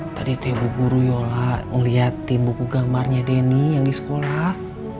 tadi itu ibu guru yola ngeliatin buku gambarnya denny yang di sekolah